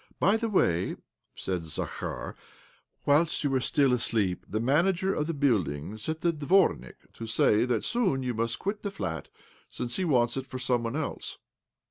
" By the way," said Zakhar, " whilst you were still asleep the manager of the building sent the dvornik ' to say that soon you must quit the flat, since he wants it for some one else."